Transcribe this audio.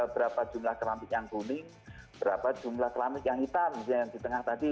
berapa jumlah keramik yang kuning berapa jumlah keramik yang hitam misalnya yang di tengah tadi